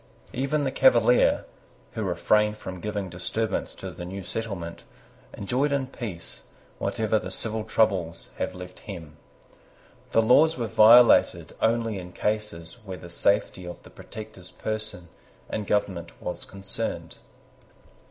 Even the Cavalier, who refrained from giving disturbance to the new settlement, enjoyed in peace whatever the civil troubles had left hem. The laws were violated only in cases where the safety of the Protector's person and government was concerned.